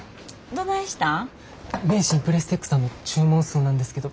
名神プレステックさんの注文数なんですけど。